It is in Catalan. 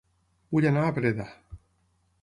Vull anar a Breda